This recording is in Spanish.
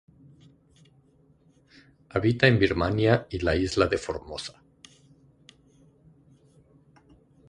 Habita en Birmania y la isla de Formosa.